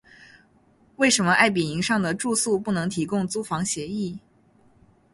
为什么爱迎彼上的住宿不能提供租房协议？